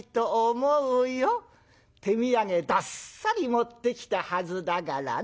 手土産どっさり持ってきたはずだからね